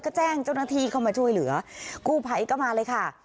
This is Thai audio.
ก็แจ้งเจ้าหน้าที่เข้ามาช่วยเหลือกู้ภัยก็มาเลยค่ะ